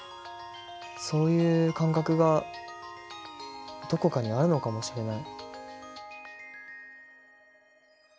そういう感覚がどこかにあるのかもしれない。